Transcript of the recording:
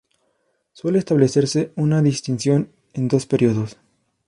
Suele establecerse una distinción en dos períodos.